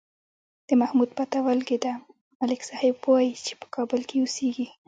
د محمود پته ولگېده، ملک صاحب وایي چې په کابل کې اوسېږي.